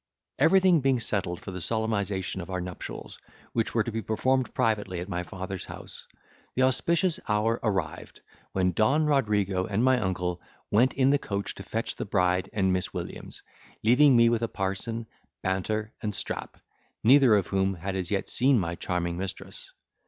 Everything being settled for the solemnisation of our nuptials, which were to be performed privately at my father's house, the auspicious hour arrived, when Don Rodrigo and my uncle went in the coach to fetch the bride and Miss Williams: leaving me with a parson, Banter, and Strap, neither of whom had as yet seen my charming mistress.